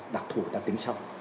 đặc thu ta tính sau